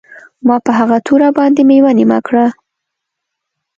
ما په هغه توره باندې میوه نیمه کړه